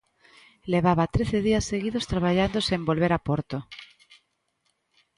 Levaba trece días seguidos traballando sen volver a porto.